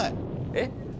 えっ？